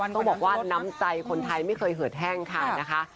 ต้องบอกว่าน้ำใจคนไทยไม่เคยเหิดแห้งค่ะนะคะ